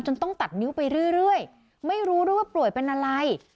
ต้องตัดนิ้วไปเรื่อยไม่รู้ด้วยว่าป่วยเป็นอะไร